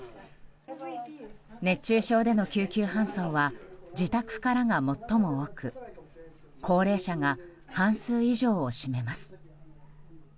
熱中症での救急搬送は自宅からが最も多く高齢者が半数以上を占めます。